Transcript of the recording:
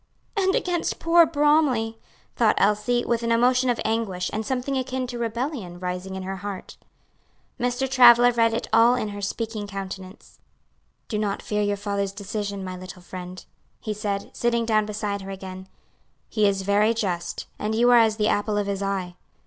"And against poor Bromly," thought Elsie, with an emotion of anguish, and something akin to rebellion rising in her heart. Mr. Travilla read it all in her speaking countenance. "Do not fear your father's decision, my little friend." he said, sitting down beside her again, "he is very just, and you are as the apple of his eye.